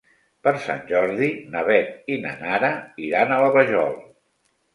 Per Sant Jordi na Beth i na Nara iran a la Vajol.